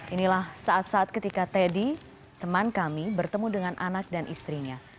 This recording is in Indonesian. inilah saat saat ketika teddy teman kami bertemu dengan anak dan istrinya